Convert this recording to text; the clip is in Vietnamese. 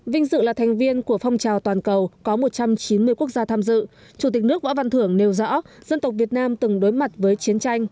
vinh dự là thành viên của phong trào toàn cầu có một trăm chín mươi quốc gia tham dự chủ tịch nước võ văn thưởng nêu rõ dân tộc việt nam từng đối mặt với chiến tranh